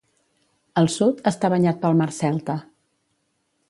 Al sud està banyat pel Mar Celta.